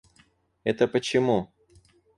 Это почему?